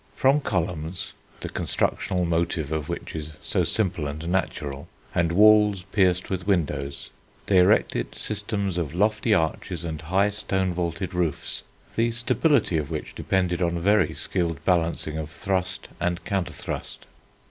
From columns, the constructional motive of which is so simple and natural, and walls pierced with windows, they erected systems of lofty arches and high stone vaulted roofs, the stability of which depended on very skilled balancing of thrust and counter thrust.